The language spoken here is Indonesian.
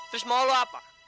terus mau lu apa